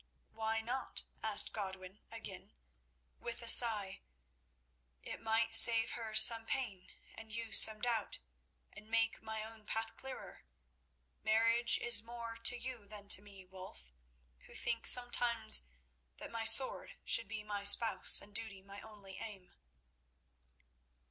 "Why not?" asked Godwin again, with a sigh; "it might save her some pain and you some doubt, and make my own path clearer. Marriage is more to you than to me, Wulf, who think sometimes that my sword should be my spouse and duty my only aim."